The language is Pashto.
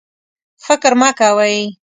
فکر مه کوئ